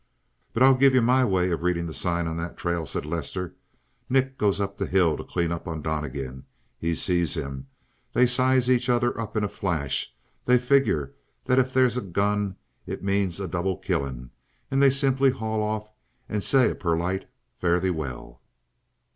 "But I'll give you my way of readin' the sign on that trail," said Lester. "Nick goes up the hill to clean up on Donnegan. He sees him; they size each other up in a flash; they figure that if they's a gun it means a double killin' and they simply haul off and say a perlite fare thee well."